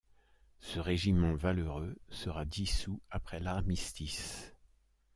Ce régiment valeureux sera dissous après l'armistice.